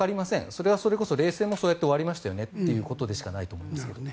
それはそれこそ冷戦もそれで終わりましたよねということでしかないと思います。